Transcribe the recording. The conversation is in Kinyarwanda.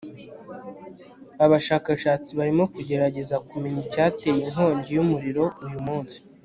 abashakashatsi barimo kugerageza kumenya icyateye inkongi y'umuriro uyu munsi